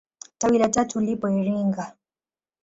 Tawi la tatu lipo Iringa.